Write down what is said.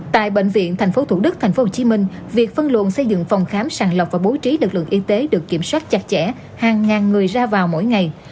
tại bệnh viện tp thủ đức tp hcm việc phân luận xây dựng phòng khám sàng lọc và bố trí lực lượng y tế được kiểm soát chặt chẽ hàng ngàn người ra vào mỗi ngày